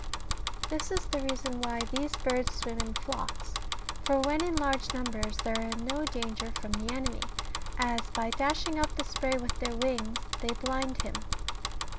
This is the reason why these birds swim in flocks, for when in large numbers they are in no danger from the enemy ; as by dashing up the spray with their wings they blind him.